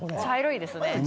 茶色いですね。